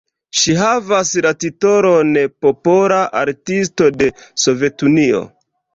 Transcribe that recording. Ŝi havas la titolon "Popola Artisto de Sovetunio".